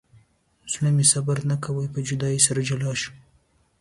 زړه مې صبر نه کوي په جدایۍ سره جلا شول.